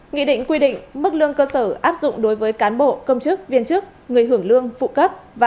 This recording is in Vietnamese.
nghị định quy định mức lương cơ sở áp dụng đối với cán bộ công chức viên chức người hưởng lương phụ cấp và